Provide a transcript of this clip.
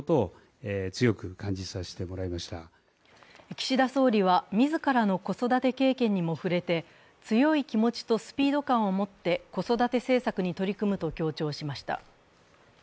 岸田総理は自らの子育て経験にも触れて、強い気持ちとスピード感を持って子育て政策に取り組むと強調しました。